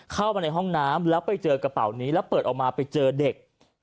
เข้ามาในห้องน้ำแล้วไปเจอกระเป๋านี้แล้วเปิดออกมาไปเจอเด็ก